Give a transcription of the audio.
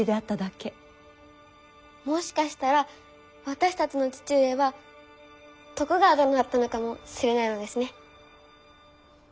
もしかしたら私たちの父上は徳川殿だったのかもしれないのですね。